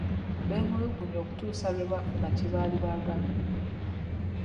Beemulugunya okutuusa lwe baafuna kye baali baagala.